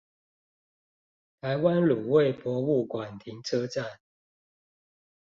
台灣滷味博物館停車場